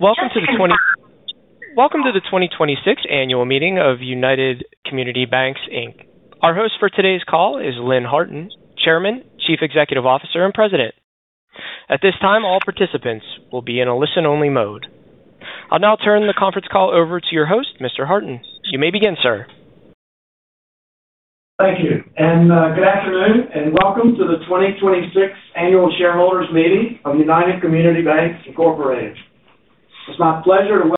Welcome to the 2026 Annual Meeting of United Community Banks, Inc. Our host for today's call is Lynn Harton, Chairman, Chief Executive Officer, and President. At this time, all participants will be in a listen-only mode. I'll now turn the conference call over to your host, Mr. Harton. You may begin, sir. Thank you. Good afternoon, and welcome to the 2026 Annual Shareholders Meeting of United Community Banks Incorporated. It's my pleasure to welcome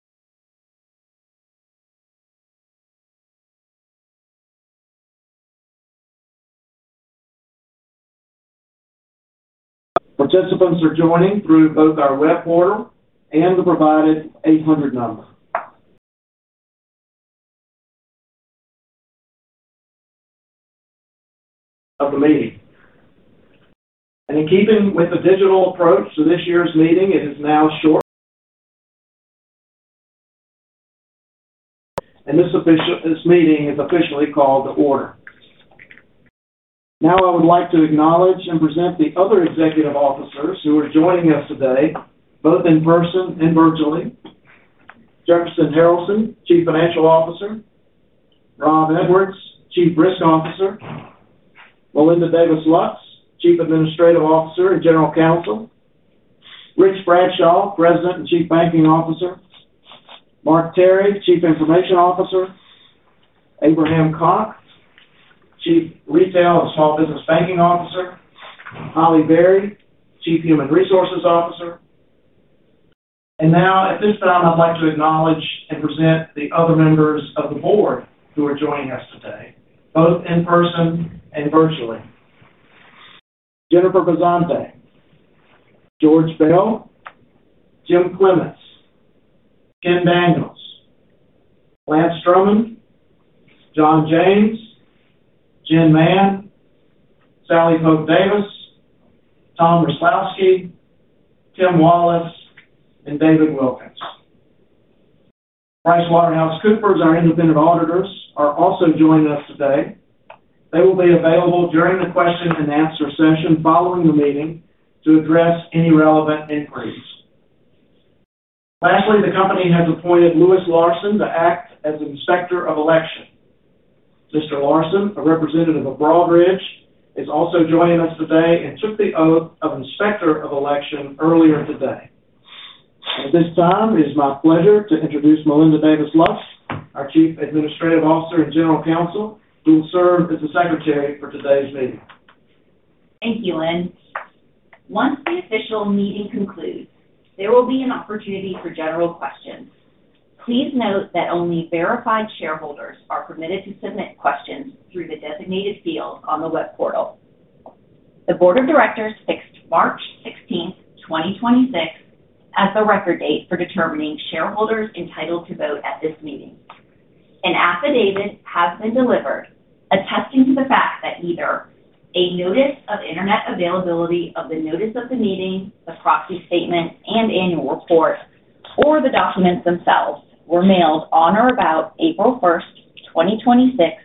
participants joining through both our web portal and the provided 800 number of the meeting. In keeping with the digital approach to this year's meeting, this meeting is officially called to order. Now, I would like to acknowledge and present the other Executive Officers who are joining us today, both in person and virtually. Jefferson Harralson, Chief Financial Officer. Rob Edwards, Chief Risk Officer. Melinda Davis Lux, Chief Administrative Officer and General Counsel. Rich Bradshaw, President and Chief Banking Officer. Mark Terry, Chief Information Officer. Abraham Cox, Chief Retail and Small Business Banking Officer. Holly Berry, Chief Human Resources Officer. Now, at this time, I'd like to acknowledge and present the other members of the Board who are joining us today, both in person and virtually. Jennifer Bazante, George Bell, Jim Clements, Ken Daniels, Lance Drummond, John James, Jen Mann, Sally Pope Davis, Tom Richlovsky, Tim Wallis, and David Wilkins. PricewaterhouseCoopers, our Independent Auditors, are also joining us today. They will be available during the question-and-answer session following the meeting to address any relevant inquiries. Lastly, the company has appointed Louis Larson to act as Inspector of Election. Mr. Larson, a representative of Broadridge, is also joining us today and took the oath of Inspector of Election earlier today. At this time, it is my pleasure to introduce Melinda Davis Lux, our Chief Administrative Officer and General Counsel, who will serve as the secretary for today's meeting. Thank you, Lynn. Once the official meeting concludes, there will be an opportunity for general questions. Please note that only verified shareholders are permitted to submit questions through the designated field on the web portal. The board of directors fixed March 16th, 2026 as the record date for determining shareholders entitled to vote at this meeting. An affidavit has been delivered attesting to the fact that either a notice of internet availability of the notice of the meeting, the proxy statement, and Annual Report, or the documents themselves were mailed on or about April 1st, 2026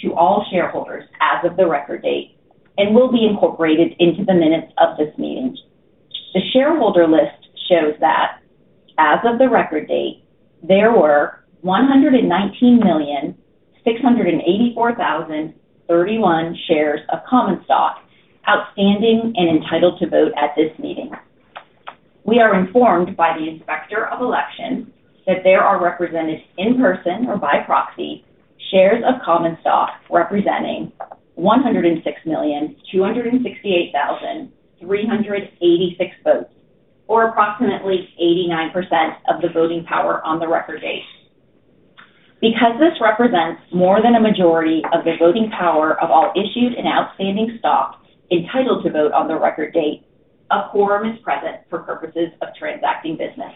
to all shareholders as of the record date and will be incorporated into the minutes of this meeting. The shareholder list shows that as of the record date, there were 119,684,031 shares of common stock outstanding and entitled to vote at this meeting. We are informed by the Inspector of Election that there are represented in person or by proxy shares of common stock representing 106,268,386 votes or approximately 89% of the voting power on the record date. This represents more than a majority of the voting power of all issued and outstanding stock entitled to vote on the record date, a quorum is present for purposes of transacting business.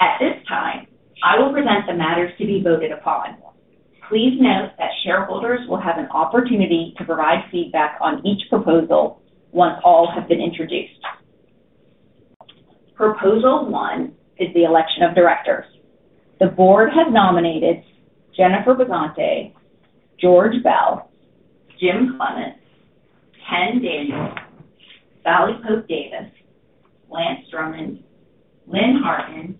At this time, I will present the matters to be voted upon. Please note that shareholders will have an opportunity to provide feedback on each proposal once all have been introduced. Proposal one is the election of directors. The Board has nominated Jennifer Bazante, George Bell, Jim Clements, Ken Daniels, Sally Pope Davis, Lance Drummond, Lynn Harton,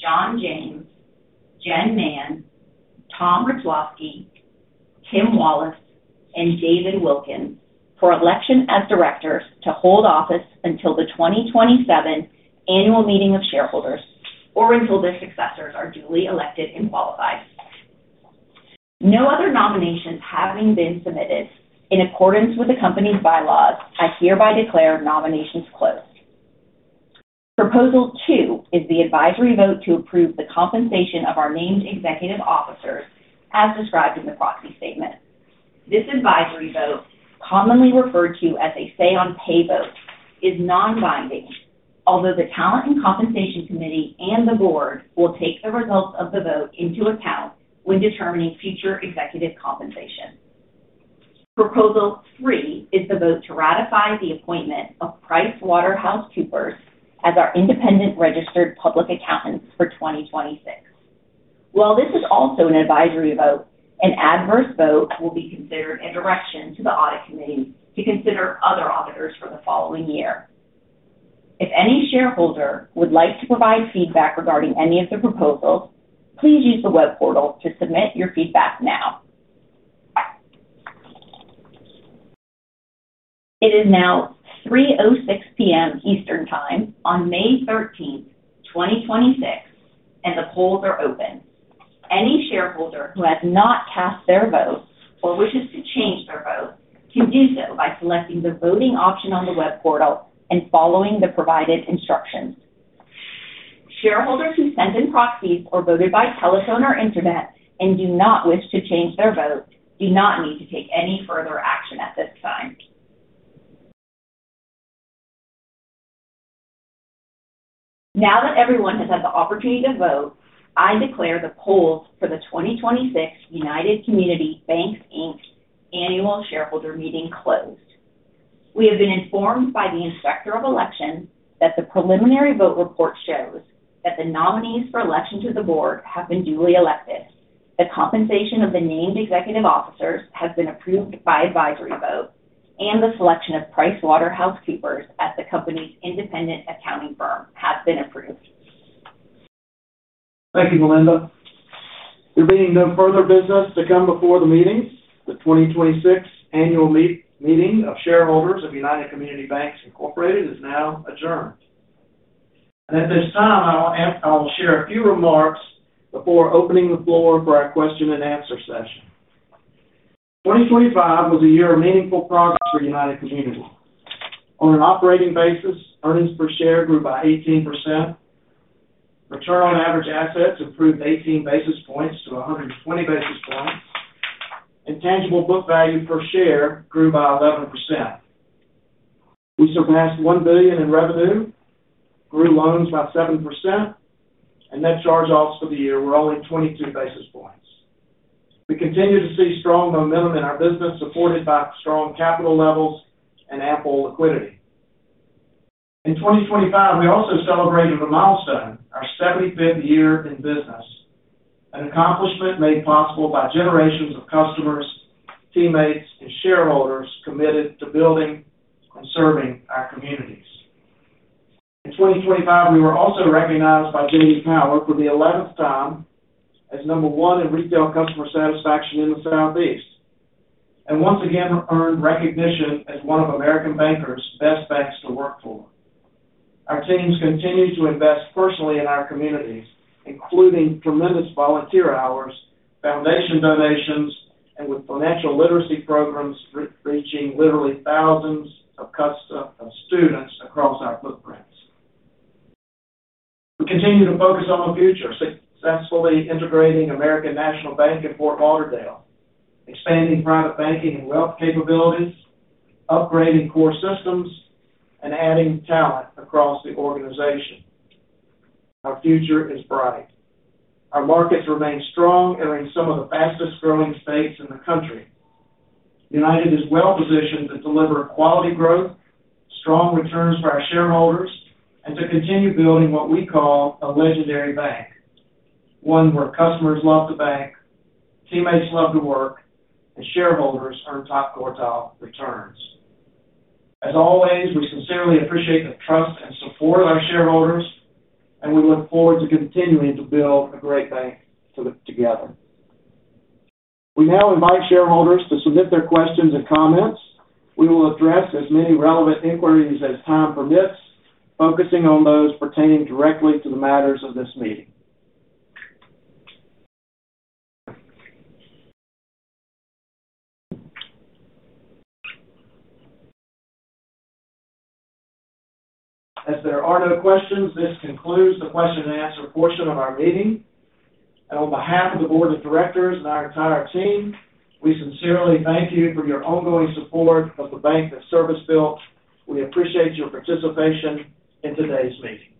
John James, Jen Mann, Tom Richlovsky, Tim Wallis, and David Wilkins for election as Directors to hold office until the 2027 Annual Meeting of Shareholders or until their successors are duly elected and qualified. No other nominations having been submitted in accordance with the company's bylaws, I hereby declare nominations closed. Proposal two is the advisory vote to approve the compensation of our named Executive Officers as described in the proxy statement. This advisory vote, commonly referred to as a say-on-pay vote, is non-binding. Although the talent and compensation committee and the Board will take the results of the vote into account when determining future executive compensation. Proposal three is the vote to ratify the appointment of PricewaterhouseCoopers as our independent registered public accountants for 2026. While this is also an advisory vote, an adverse vote will be considered a direction to the audit committee to consider other auditors for the following year. If any shareholder would like to provide feedback regarding any of the proposals, please use the web portal to submit your feedback now. It is now 3:06 P.M. Eastern Time on May 13th, 2026, and the polls are open. Any shareholder who has not cast their vote or wishes to change their vote can do so by selecting the voting option on the web portal and following the provided instructions. Shareholders who sent in proxies or voted by telephone or internet and do not wish to change their vote do not need to take any further action at this time. Now that everyone has had the opportunity to vote, I declare the polls for the 2026 United Community Banks, Inc. Annual Shareholder meeting closed. We have been informed by the Inspector of Election that the preliminary vote report shows that the nominees for election to the Board have been duly elected. The compensation of the named Executive Officers has been approved by advisory vote, and the selection of PricewaterhouseCoopers as the company's independent accounting firm has been approved. Thank you, Melinda Davis Lux. There being no further business to come before the meetings, the 2026 Annual Meeting of Shareholders of United Community Banks, Inc. is now adjourned. At this time, I will share a few remarks before opening the floor for our question-and-answer session. 2025 was a year of meaningful progress for United Community. On an operating basis, earnings per share grew by 18%, return on average assets improved 18 basis points to 120 basis points, and tangible book value per share grew by 11%. We surpassed $1 billion in revenue, grew loans by 7%, and net charge-offs for the year were only 22 basis points. We continue to see strong momentum in our business, supported by strong capital levels and ample liquidity. In 2025, we also celebrated a milestone, our 75th year in business, an accomplishment made possible by generations of customers, teammates, and shareholders committed to building and serving our communities. In 2025, we were also recognized by J.D. Power for the 11th time as number one in retail customer satisfaction in the Southeast, and once again earned recognition as one of American Banker's Best Banks to Work For. Our teams continue to invest personally in our communities, including tremendous volunteer hours, foundation donations, and with financial literacy programs re-reaching literally thousands of students across our footprints. We continue to focus on the future, successfully integrating American National Bank in Fort Lauderdale, expanding private banking and wealth capabilities, upgrading core systems, and adding talent across the organization. Our future is bright. Our markets remain strong and are in some of the fastest-growing states in the country. United is well-positioned to deliver quality growth, strong returns for our shareholders, and to continue building what we call a legendary bank. One where customers love to bank, teammates love to work, and shareholders earn top quartile returns. As always, we sincerely appreciate the trust and support of our shareholders. We look forward to continuing to build a great bank together. We now invite shareholders to submit their questions and comments. We will address as many relevant inquiries as time permits, focusing on those pertaining directly to the matters of this meeting. As there are no questions, this concludes the question-and-answer portion of our meeting. On behalf of the Board of Directors and our entire team, we sincerely thank you for your ongoing support of the Bank That Service Built. We appreciate your participation in today's meeting.